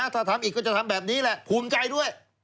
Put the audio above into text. ถ้าทำอีกก็จะทำแบบนี้แหละภูมิใจด้วย